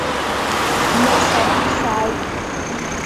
Нас арахь сааит.